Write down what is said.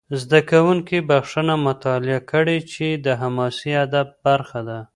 زده کوونکي بخښنه مطالعه کړي، چې د حماسي ادب برخه ده.